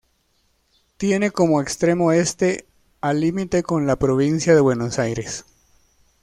Tiene como extremo este al límite con la Provincia de Buenos Aires.